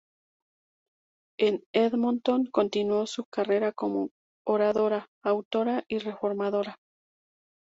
En Edmonton, continuó su carrera como oradora, autora y reformadora.